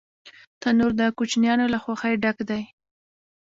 تنور د کوچنیانو له خوښۍ ډک دی